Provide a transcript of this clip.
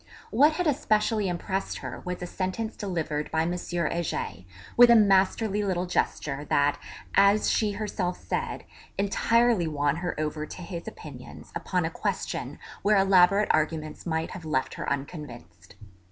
What had especially impressed her was a sentence delivered by M. Heger, with a masterly little gesture, that, as she herself said, entirely won her over to his opinions upon a question where elaborate arguments might have left her unconvinced.